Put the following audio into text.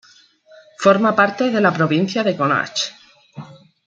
Forma parte de la provincia de Connacht.